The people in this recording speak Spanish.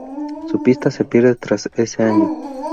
Su pista se pierde tras ese año.